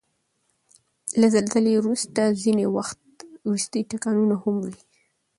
له زلزلې وروسته ځینې وخت وروستی ټکانونه هم وي.